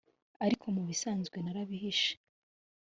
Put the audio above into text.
ariko mubisanzwe narabihishe,